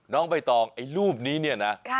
น้องใบตองไอ้รูปนี้เนี่ยนะ